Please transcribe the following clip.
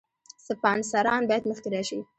سپانسران باید مخکې راشي.